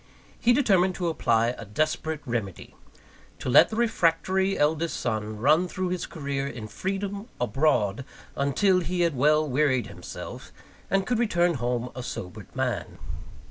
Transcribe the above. He determined to apply a desperate remedy: to let the refractory eldest son run through his career in freedom, abroad, until he had well wearied himself, and could return home a sobered man.